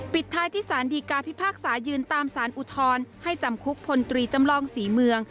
ปิดท้ายที่สารดีกาพิพากษายืนตามสารอุทธรณ์ให้จำคุกพลตรีจำลองศรีเมือง